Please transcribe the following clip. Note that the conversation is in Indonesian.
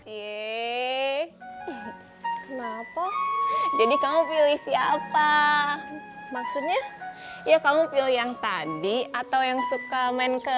ye kenapa jadi kamu pilih siapa maksudnya ya kamu pilih yang tadi atau yang suka main ke